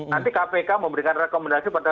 nanti kpk memberikan rekomendasi pada